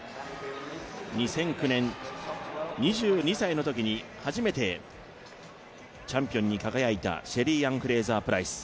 ２００９年２２歳のときに初めてチャンピオンに輝いたシェリーアン・フレイザー・プライス。